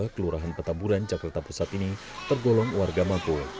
kelurahan petamburan jakarta pusat ini tergolong warga mampu